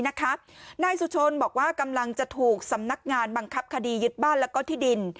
นายสุชนบอกว่ากำลังจะถูกสำนักงานบังคับคดียึดบ้านแล้วก็ที่ดิน